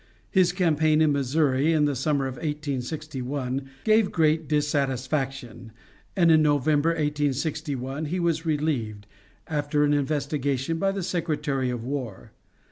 His campaign in Missouri in the summer of 1861 gave great dissatisfaction, and in November, 1861, he was relieved, after an investigation by the Secretary of War.